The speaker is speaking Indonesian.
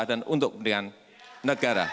dan untuk kepentingan negara